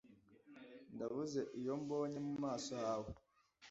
Ndavuze Iyo mbonye mu maso hawe